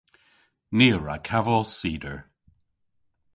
Ni a wra kavos cider.